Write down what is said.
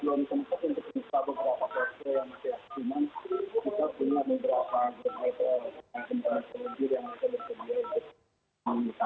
kita juga nanti kalau ingin berjurut jurutnya secara alami kita kita belum sempat untuk mencoba beberapa perjalanan yang masih aktif